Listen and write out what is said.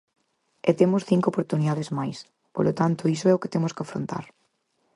E temos cinco oportunidades máis, polo tanto iso é o que temos que afrontar.